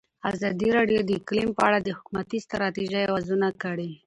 ازادي راډیو د اقلیم په اړه د حکومتي ستراتیژۍ ارزونه کړې.